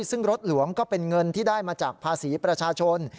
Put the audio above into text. ซึ่งรถหลวงก็เป็นเงินที่ได้มาจากภาษีประชาชน